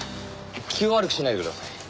気を悪くしないでください。